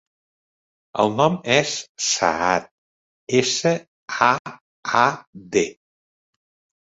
El nom és Saad: essa, a, a, de.